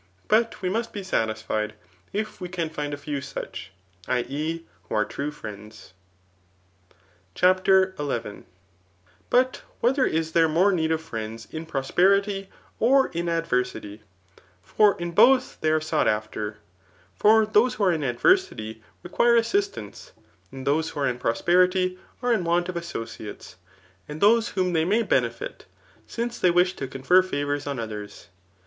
But we must be satisfied if we can find a few such, [i. e. who are true friendsj. Digitized by Google <mAf>;iiK ithics. 861 CHAPTER Xf. But whether is there more need of friends m prosper fity, or m adversity f For m both they are sought after. F<Mr those who are in adverdty require assistance, and those ^rtio are in prosperity are in want of associates, and those whotn they may benefit; since they wkh to confer favours on others.